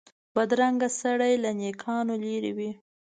بدرنګه سړی له نېکانو لرې وي